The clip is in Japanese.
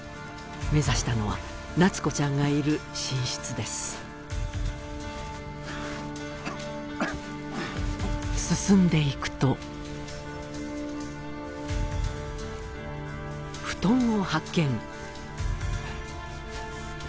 目指したのはなつこちゃんがいる寝室です進んでいくと布団を発見